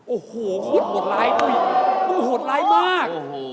โอ้โหโหดร้ายมาก